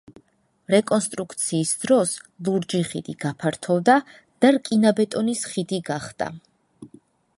რეკონსტრუქციის დროს ლურჯი ხიდი გაფართოვდა და რკინაბეტონის ხიდი გახდა.